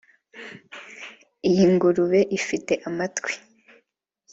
Iyi ngurube ifite amatwi